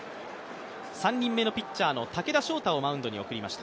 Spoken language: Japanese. ３人目のピッチャーの武田翔太をマウンドに送りました。